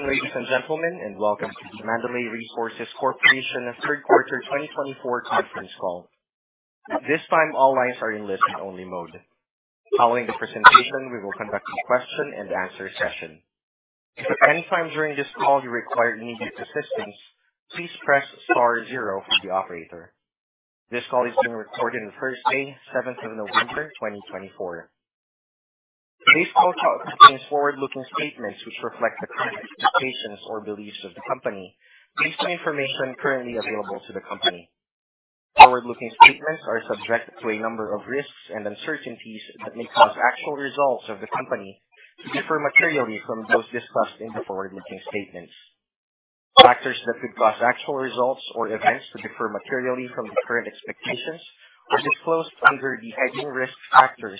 Ladies and gentlemen, and welcome to the Mandalay Resources Corporation Q3 2024 conference call. At this time, all lines are in listen-only mode. Following the presentation, we will conduct a question-and-answer session. If at any time during this call you require immediate assistance, please press star zero for the operator. This call is being recorded on Thursday, 7th of November, 2024. Today's call contains forward-looking statements which reflect the current expectations or beliefs of the company based on information currently available to the company. Forward-looking statements are subject to a number of risks and uncertainties that may cause actual results of the company to differ materially from those discussed in the forward-looking statements. Factors that could cause actual results or events to differ materially from the current expectations are disclosed under the heading Risk Factors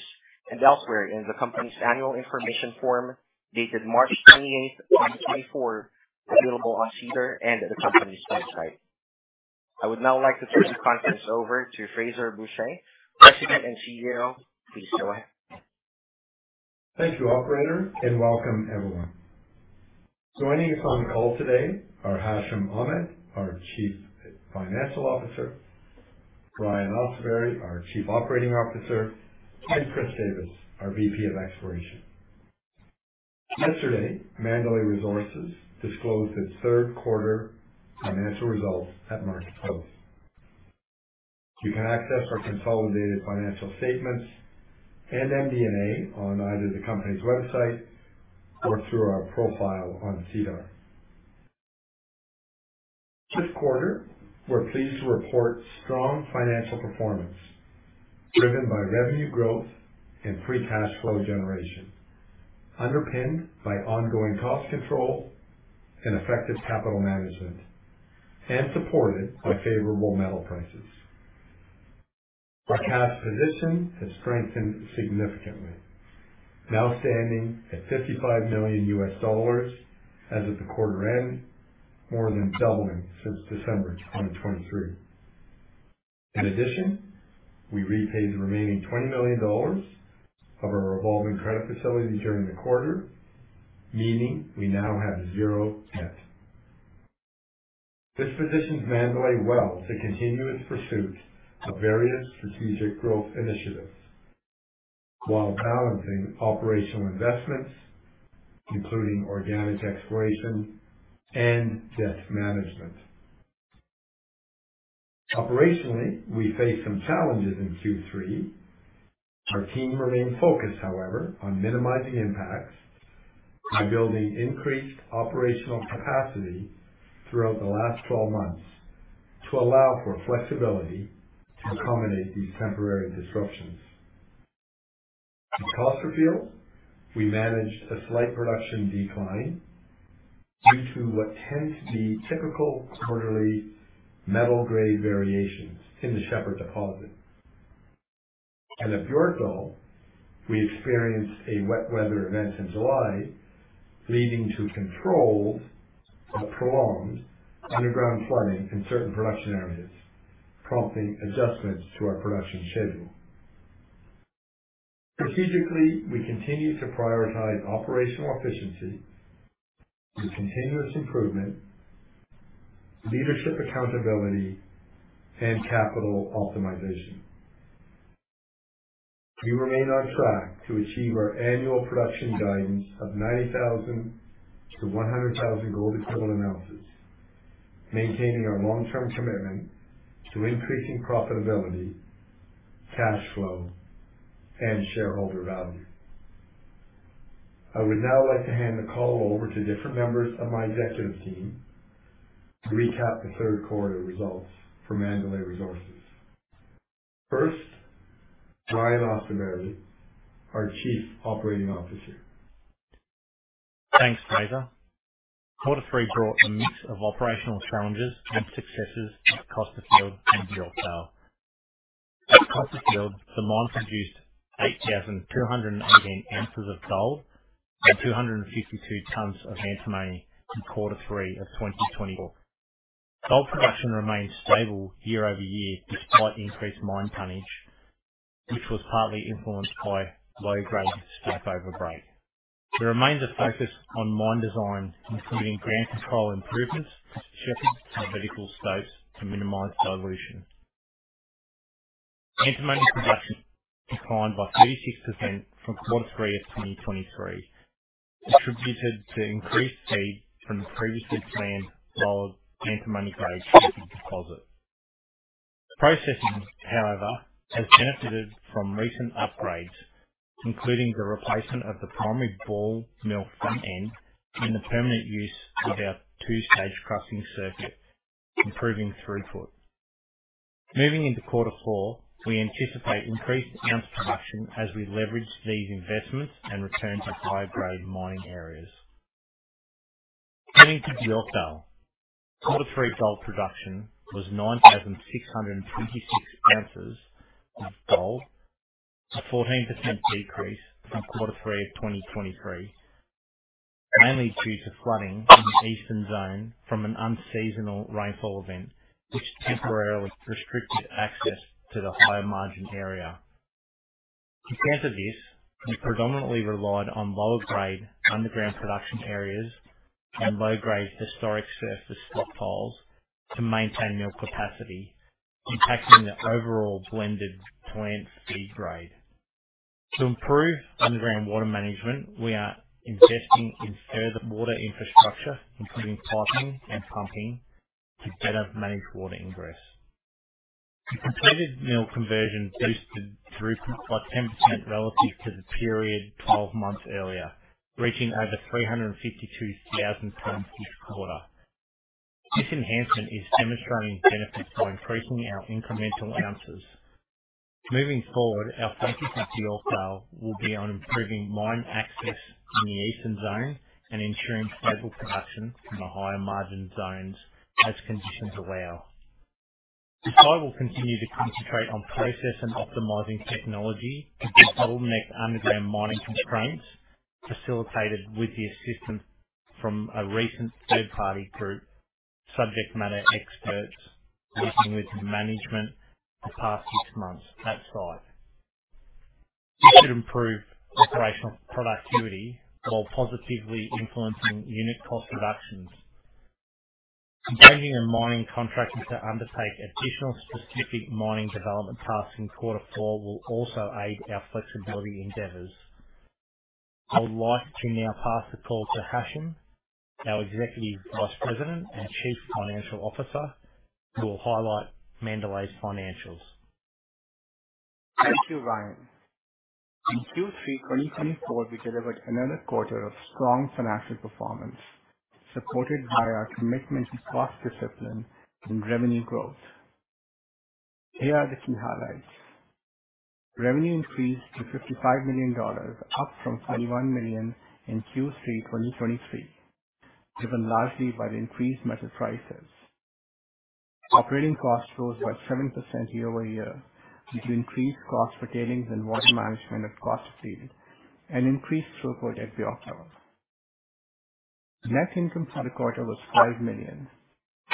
and elsewhere in the company's Annual Information Form dated March 28th, 2024, available on SEDAR+ and the company's website. I would now like to turn the conference over to Frazer Bourchier, President and CEO. Please go ahead. Thank you, Operator, and welcome everyone. Joining us on the call today are Hashim Ahmed, our Chief Financial Officer, Ryan Austerberry, our Chief Operating Officer, and Chris Davis, our VP of Exploration. Yesterday, Mandalay Resources disclosed its Q3 financial results at market close. You can access our consolidated financial statements and MD&A on either the company's website or through our profile on SEDAR. This quarter, we're pleased to report strong financial performance driven by revenue growth and free cash flow generation, underpinned by ongoing cost control and effective capital management, and supported by favorable metal prices. Our cash position has strengthened significantly, now standing at $55 million US dollars as of the quarter end, more than doubling since December 2023. In addition, we repaid the remaining $20 million of our revolving credit facility during the quarter, meaning we now have zero debt. This positions Mandalay well to continue its pursuit of various strategic growth initiatives while balancing operational investments, including organic exploration and debt management. Operationally, we faced some challenges in Q3. Our team remained focused, however, on minimizing impacts by building increased operational capacity throughout the last 12 months to allow for flexibility to accommodate these temporary disruptions. In Costerfield, we managed a slight production decline due to what tends to be typical quarterly metal grade variations in the Shepherd deposit, and at Björkdal, we experienced a wet weather event in July leading to controlled but prolonged underground flooding in certain production areas, prompting adjustments to our production schedule. Strategically, we continue to prioritize operational efficiency with continuous improvement, leadership accountability, and capital optimization. We remain on track to achieve our annual production guidance of 90,000-100,000 gold equivalent ounces, maintaining our long-term commitment to increasing profitability, cash flow, and shareholder value. I would now like to hand the call over to different members of my executive team to recap the Q3 results for Mandalay Resources. First, Ryan Austerberry, our Chief Operating Officer. Thanks, Frazer. Quarter three brought a mix of operational challenges and successes at Costerfield and Björkdal. At Costerfield, the mine produced 8,218 ounces of gold and 252 tons of antimony in Quarter Three of 2024. Gold production remained stable year -over- year despite increased mine tonnage, which was partly influenced by low-grade stope overbreak. We remained focused on mine design, including ground control improvements to the Shepherd and vertical slopes to minimize dilution. Antimony production declined by 36% from Q3 of 2023, attributed to increased feed from the previously planned lower antimony grade Shepherd deposit. Processing, however, has benefited from recent upgrades, including the replacement of the primary ball mill front end and the permanent use of our two-stage crushing circuit, improving throughput. Moving into Q4, we anticipate increased ounce production as we leverage these investments and return to higher-grade mining areas. Turning to Björkdal, Q3 gold production was 9,626 ounces of gold, a 14% decrease from Q3 of 2023, mainly due to flooding in the Eastern Zone from an unseasonal rainfall event, which temporarily restricted access to the higher margin area. To counter this, we predominantly relied on lower-grade underground production areas and low-grade historic surface stockpiles to maintain mill capacity, impacting the overall blended plant feed grade. To improve underground water management, we are investing in further water infrastructure, including piping and pumping, to better manage water ingress. The completed mill conversion boosted throughput by 10% relative to the period 12 months earlier, reaching over 352,000 tons each quarter. This enhancement is demonstrating benefits by increasing our incremental ounces. Moving forward, our focus at Björkdal will be on improving mine access in the Eastern Zone and ensuring stable production from the higher margin zones as conditions allow. The site will continue to concentrate on process and optimizing technology to debottleneck underground mining constraints, facilitated with the assistance from a recent third-party group, subject matter experts working with management the past six months at site. This should improve operational productivity while positively influencing unit cost reductions. Engaging a mining contract to undertake additional specific mining development tasks in Q4 will also aid our flexibility endeavors. I would like to now pass the call to Hashim, our Executive Vice President and Chief Financial Officer, who will highlight Mandalay's financials. Thank you, Ryan. In Q3 2024, we delivered another quarter of strong financial performance, supported by our commitment to cost discipline and revenue growth. Here are the key highlights. Revenue increased to $55 million, up from $21 million in Q3 2023, driven largely by the increased metal prices. Operating cost rose by 7% year -over -year, due to increased costs pertaining to water management at Costerfield and increased throughput at Björkdal. Net income for the quarter was $5 million,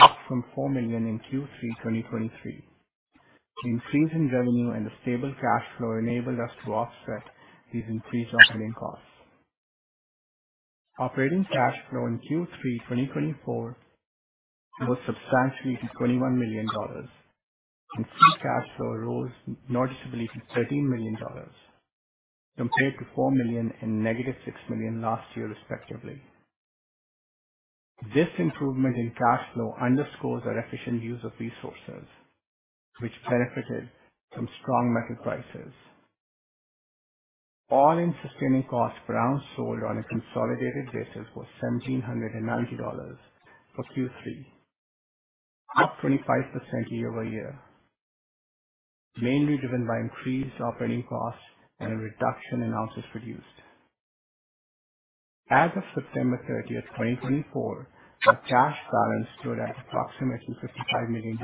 up from $4 million in Q3 2023. The increase in revenue and the stable cash flow enabled us to offset these increased operating costs. Operating cash flow in Q3 2024 rose substantially to $21 million, and free cash flow rose noticeably to $13 million, compared to $4 million and negative $6 million last year, respectively. This improvement in cash flow underscores our efficient use of resources, which benefited from strong metal prices. All-in sustaining costs for ounce sold on a consolidated basis was $1,790 for Q3, up 25% year -over- year, mainly driven by increased operating costs and a reduction in ounces produced. As of September 30th, 2024, our cash balance stood at approximately $55 million,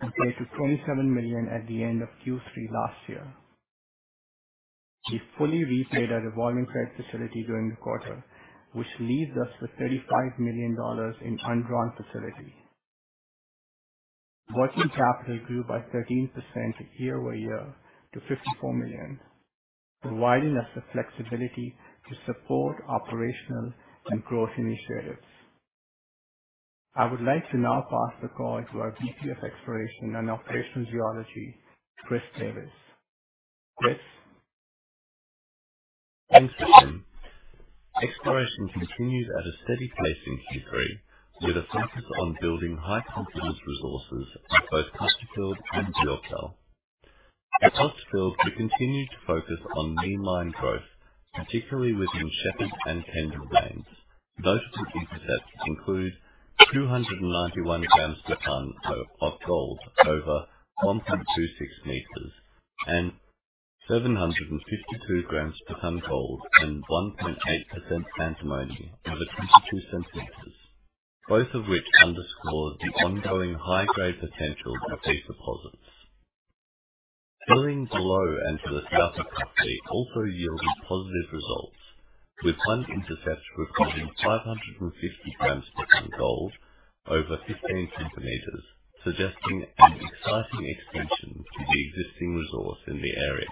compared to $27 million at the end of Q3 last year. We fully repaid our revolving credit facility during the quarter, which leaves us with $35 million in undrawn facility. Working capital grew by 13% year- over- year to $54 million, providing us the flexibility to support operational and growth initiatives. I would like to now pass the call to our VP of Exploration and Operational Geology, Chris Davis. Chris? Thanks, Hashim. Exploration continues at a steady pace in Q3, with a focus on building high-confidence resources at both Costerfield and Björkdal. At Costerfield, we continue to focus on new mine growth, particularly within Shepherd and Kendall veins. Notable increments include 291 grams per ton of gold over 1.26 meters and 752 grams per ton gold and 1.8% antimony over 22 centimeters, both of which underscore the ongoing high-grade potential of these deposits. Brunswick below and to the south of Costerfield also yielded positive results, with one intercept recording 550 grams per ton gold over 15 centimeters, suggesting an exciting extension to the existing resource in the area.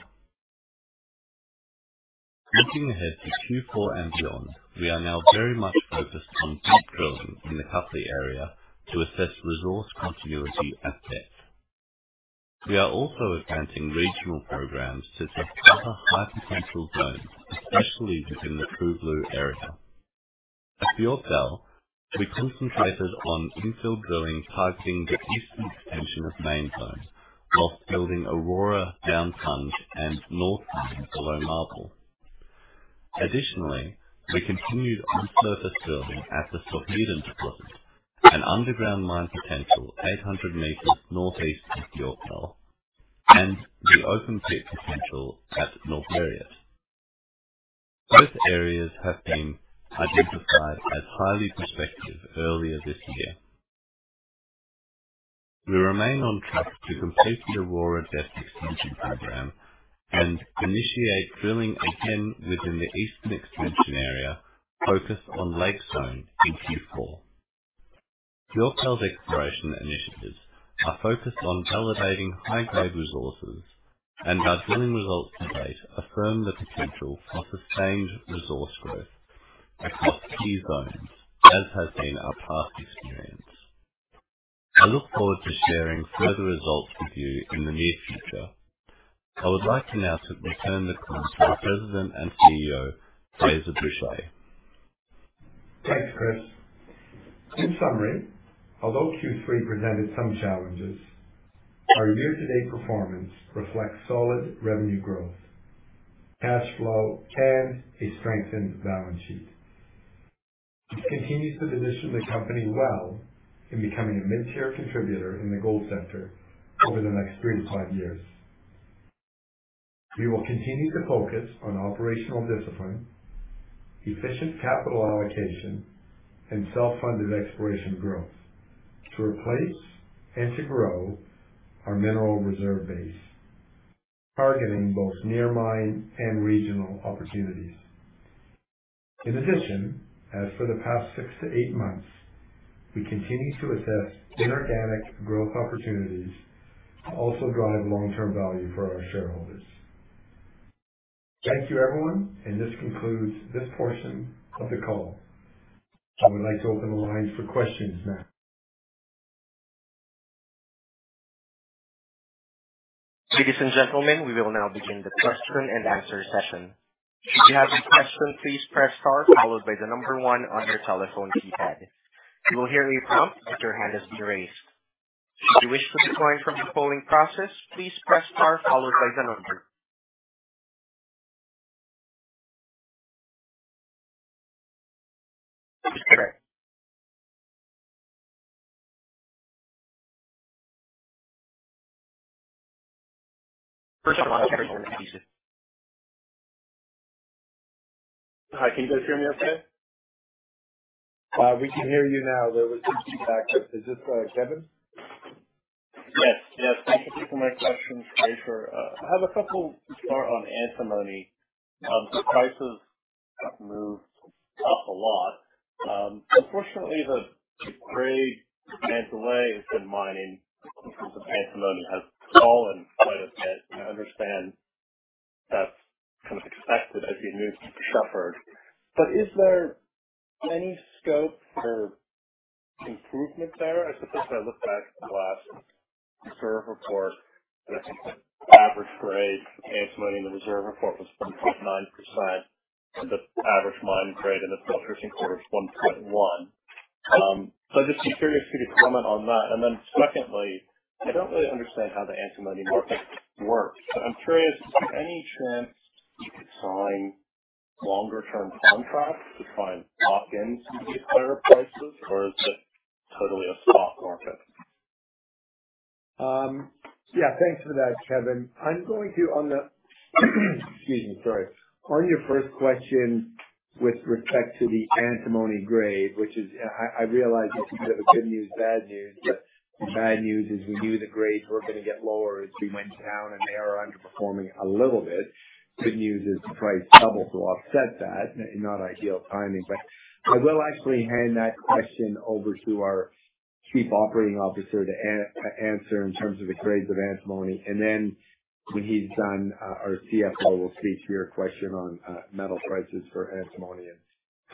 Looking ahead to Q4 and beyond, we are now very much focused on deep drilling in the Costerfield area to assess resource continuity at depth. We are also advancing regional programs to support the high-potential zones, especially within the True Blue area. At Björkdal, we concentrated on infill drilling targeting the eastern extension of main zone while building Aurora downdip and north veins below Marble. Additionally, we continued on-surface drilling at the Storheden deposit, an underground mine potential 800 meters northeast of Björkdal, and the open pit potential at Norrberget. Both areas have been identified as highly prospective earlier this year. We remain on track to complete the Aurora depth extension program and initiate drilling again within the eastern extension area, focused on Lake Zone in Q4. Björkdal's exploration initiatives are focused on validating high-grade resources, and our drilling results to date affirm the potential for sustained resource growth across key zones, as has been our past experience. I look forward to sharing further results with you in the near future. I would like to now return the call to our President and CEO, Frazer Bourchier. Thanks, Chris. In summary, although Q3 presented some challenges, our year-to-date performance reflects solid revenue growth, cash flow, and a strengthened balance sheet. This continues to position the company well in becoming a mid-tier contributor in the gold sector over the next three to five years. We will continue to focus on operational discipline, efficient capital allocation, and self-funded exploration growth to replace and to grow our mineral reserve base, targeting both near-mine and regional opportunities. In addition, as for the past six to eight months, we continue to assess inorganic growth opportunities to also drive long-term value for our shareholders. Thank you, everyone, and this concludes this portion of the call. I would like to open the lines for questions now. Ladies and gentlemen, we will now begin the question-and-answer session. If you have a question, please press star, followed by the number one on your telephone keypad. You will hear a prompt if your hand has been raised. If you wish to decline from the polling process, please press star, followed by the number. Hi, can you guys hear me okay? We can hear you now. There was some feedback. Is this Kevin? Yes. Yes. Thank you for my question, Frazer. I have a couple. First on antimony. The prices have moved up a lot. Unfortunately, the grade that Mandalay has been mining has fallen quite a bit. I understand that's kind of expected as you move to Shepherd. But is there any scope for improvement there? I suppose if I look back at the last reserve report, I think the average grade for antimony in the reserve report was 1.9%, and the average mine grade in the Q1 was 1.1%. So I'd just be curious to get your comment on that. And then secondly, I don't really understand how the antimony market works. So I'm curious, is there any chance you could sign longer-term contracts to try and lock in some of these higher prices, or is it totally a spot market? Yeah. Thanks for that, Kevin. I'm going to, on the, excuse me, sorry, on your first question with respect to the antimony grade, which is, I realize this is a bit of good news, bad news, but the bad news is we knew the grades were going to get lower as we went down, and they are underperforming a little bit. Good news is the price doubled to offset that. Not ideal timing, but I will actually hand that question over to our Chief Operating Officer to answer in terms of the grades of antimony. And then when he's done, our CFO will speak to your question on metal prices for antimony and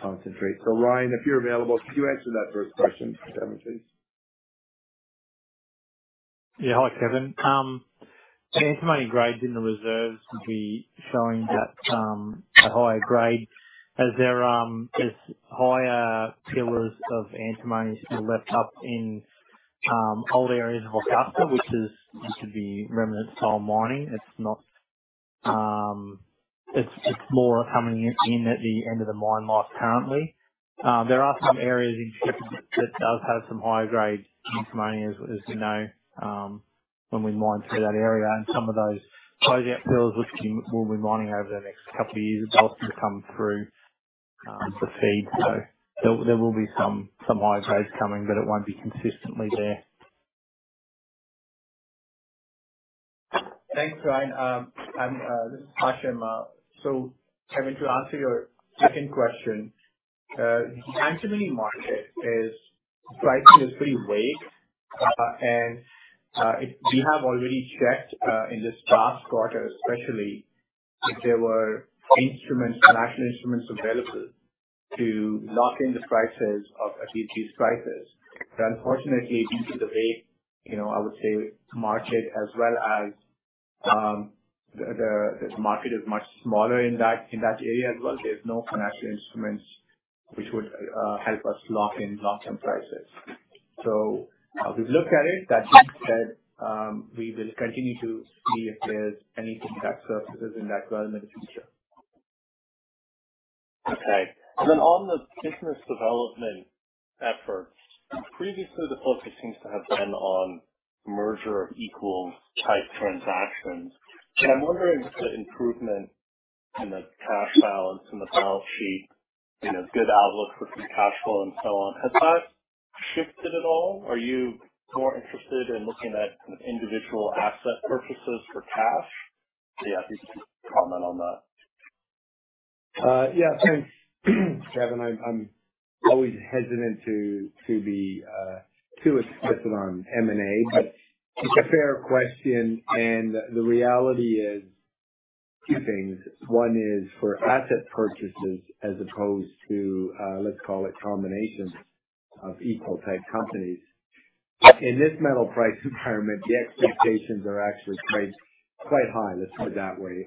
concentrate. So Ryan, if you're available, could you answer that first question for Kevin, please? Yeah. Hi, Kevin. The antimony grade in the reserves would be showing that a higher grade. As there are higher pillars of antimony left up in old areas of Costerfield, which could be remnants from mining. It's more coming in at the end of the mine life currently. There are some areas in Shepherd that do have some higher-grade antimony, as we know, when we mine through that area. And some of those close-out pillars, which we will be mining over the next couple of years, are also to come through the feed. So there will be some higher grades coming, but it won't be consistently there. Thanks, Ryan. This is Hashim. So Kevin, to answer your second question, the antimony market, the pricing is pretty weak. And we have already checked in this past quarter, especially if there were financial instruments available to lock in the prices of these prices. But unfortunately, due to the weak, I would say, market, as well as the market is much smaller in that area as well, there's no financial instruments which would help us lock in long-term prices. So we've looked at it. That being said, we will continue to see if there's anything that surfaces in that well in the future. Okay. And then on the business development efforts, previously the focus seems to have been on merger of equals-type transactions. I'm wondering if the improvement in the cash balance and the balance sheet, good outlook for free cash flow and so on, has that shifted at all? Are you more interested in looking at individual asset purchases for cash? So yeah, if you could comment on that. Yeah. Thanks, Kevin. I'm always hesitant to be too explicit on M&A, but it's a fair question. And the reality is two things. One is for asset purchases as opposed to, let's call it, combinations of equal-type companies. In this metal price environment, the expectations are actually quite high, let's put it that way.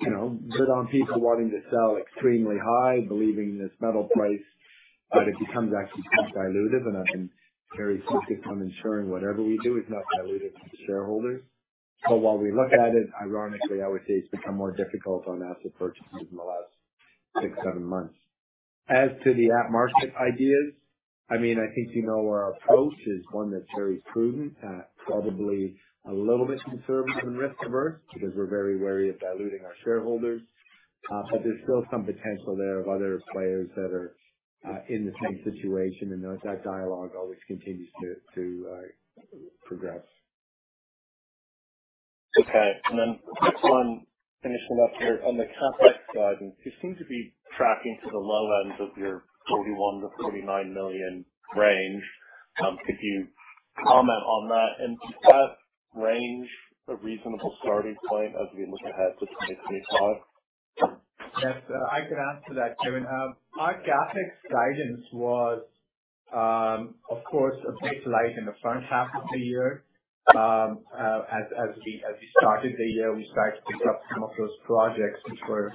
Put on people wanting to sell extremely high, believing this metal price, but it becomes actually too dilutive. And I've been very focused on ensuring whatever we do is not diluted to the shareholders. But while we look at it, ironically, I would say it's become more difficult on asset purchases in the last six, seven months. As to the M&A market ideas, I mean, I think you know our approach is one that's very prudent, probably a little bit conservative and risk-averse because we're very wary of diluting our shareholders. But there's still some potential there of other players that are in the same situation, and that dialogue always continues to progress. Okay. And then next one, finishing up here. On the CapEx side, you seem to be tracking to the low end of your $41 million-$49 million range. Could you comment on that? And is that range a reasonable starting point as we look ahead to 2025? Yes. I can answer that, Kevin. Our CapEx guidance was, of course, a bit light in the first half of the year. As we started the year, we started to pick up some of those projects which were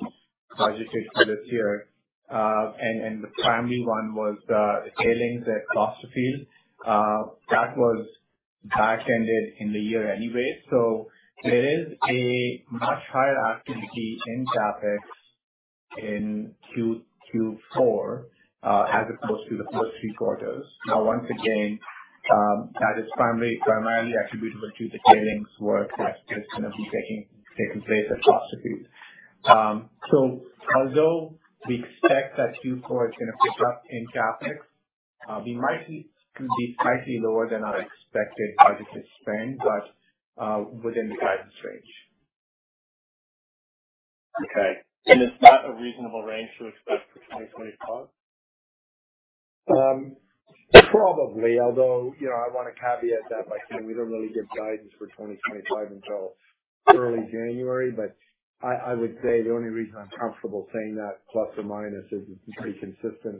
budgeted for this year. And the primary one was the tailings at Costerfield. That was back-ended in the year anyway. So there is a much higher activity in CapEx in Q4 as opposed to the first Q3. Now, once again, that is primarily attributable to the tailings work that's going to be taking place at Costerfield. So although we expect that Q4 is going to pick up in CapEx, we might be slightly lower than our expected budgeted spend, but within the guidance range. Okay, and is that a reasonable range to expect for 2025? Probably. Although I want to caveat that we don't really give guidance for 2025 until early January. But I would say the only reason I'm comfortable saying that, plus or minus, is it's been pretty consistent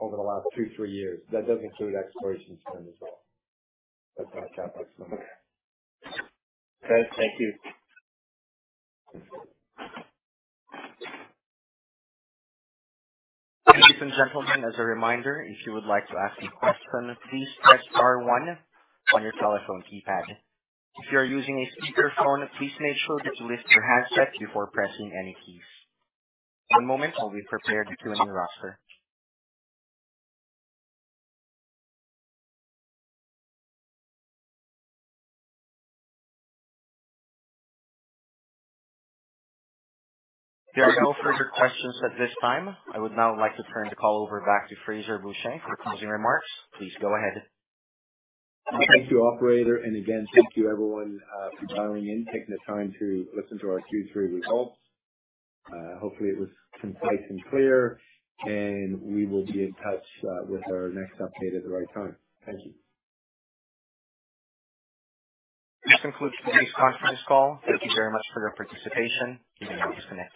over the last two-three years. That does include exploration spend as well. That's on the CapEx number. Okay. Thank you. Ladies and gentlemen, as a reminder, if you would like to ask a question, please press star one on your telephone keypad. If you are using a speakerphone, please make sure that you lift your handset before pressing any keys. One moment, while we prepare the Q&A roster. There are no further questions at this time. I would now like to turn the call back over to Frazer Bourchier for closing remarks. Please go ahead. Thank you, operator. And again, thank you, everyone, for dialing in, taking the time to listen to our Q3 results. Hopefully, it was concise and clear, and we will be in touch with our next update at the right time. Thank you. This concludes today's conference call. Thank you very much for your participation. You may now disconnect.